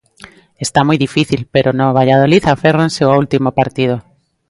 Está moi difícil, pero no Valladolid aférranse ao último partido.